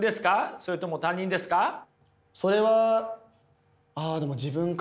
それとも他人ですか？